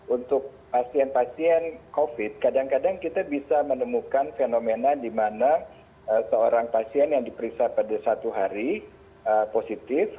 untuk pasien pasien covid kadang kadang kita bisa menemukan fenomena di mana seorang pasien yang diperiksa pada satu hari positif